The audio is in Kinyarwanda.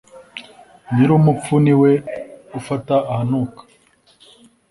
Nyirumupfu ni we ufata ahanuka.